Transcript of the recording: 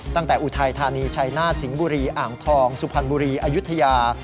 ตั้งแต่อุทัยธานีชัยนาศสิงษ์บุรีอามทองสุพันฯบุรีอยุตใหญ่